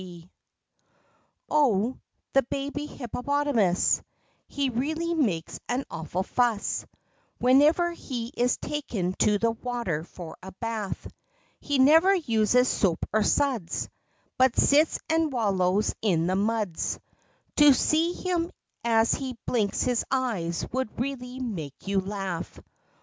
0 , the baby hippopotamus, He really makes an awful fuss Whenever he is taken to the water for a bath; He never uses soap or suds, But sits and wallows in the muds, To see him as he blinks his eyes would really make you laugh.